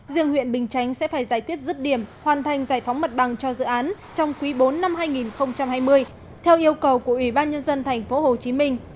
riêng huyện bình chánh sẽ phải giải quyết rứt điểm hoàn thành giải phóng mặt bằng cho dự án trong quý bốn năm hai nghìn hai mươi theo yêu cầu của ubnd tp hcm